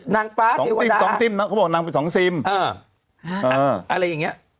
นางฟ้าเทวดาสองซิมสองซิมเขาบอกว่านางเป็นสองซิมเอออะไรอย่างเงี้ย